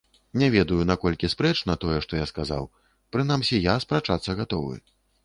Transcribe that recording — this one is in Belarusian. Не ведаю, наколькі спрэчна тое, што я сказаў, прынамсі, я спрачацца гатовы.